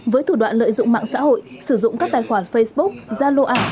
với thủ đoạn lợi dụng mạng xã hội sử dụng các tài khoản facebook gian lô ả